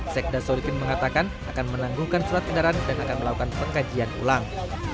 sekedar solikin mengatakan akan menanggungkan surat edaran dan akan melakukan pengkajian ulang